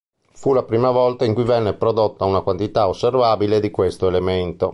Fu la prima volta in cui venne prodotta una quantità osservabile di questo elemento.